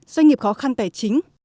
doanh nghiệp khó khăn tài chính